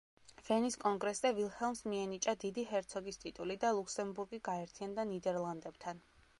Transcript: ვენის კონგრესზე ვილჰელმს მიენიჭა დიდი ჰერცოგის ტიტული და ლუქსემბურგი გაერთიანდა ნიდერლანდებთან.